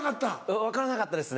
分からなかったですね。